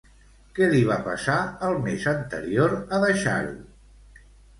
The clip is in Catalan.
Què li va passar el mes anterior a deixar-ho?